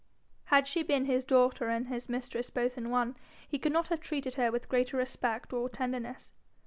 Had she been his daughter and his mistress both in one, he could not have treated her with greater respect or tenderness.